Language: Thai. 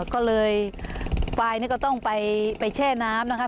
ก็เลยควายก็ต้องไปแช่น้ำนะคะ